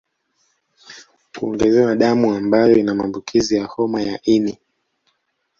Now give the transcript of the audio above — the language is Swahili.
Kuongezewa damu ambayo ina maambukizi ya homa ya ini